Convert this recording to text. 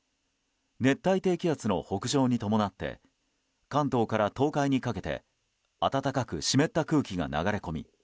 熱帯低気圧の北上に伴って関東から東海にかけて暖かく湿った空気が流れ込み